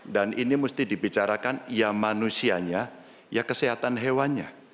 dan ini mesti dibicarakan ya manusianya ya kesehatan hewanya